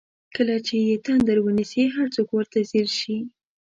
کله چې یې تندر ونیسي هر څوک ورته ځیر شي.